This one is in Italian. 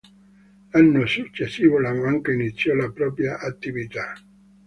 L'anno successivo la Banca iniziò la propria attività.